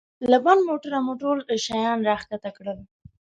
له بند موټره مو ټول شیان را کښته کړل.